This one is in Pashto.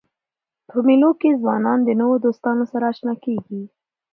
په مېلو کښي ځوانان د نوو دوستانو سره اشنا کېږي.